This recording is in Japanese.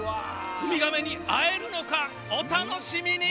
ウミガメに会えるのかお楽しみに！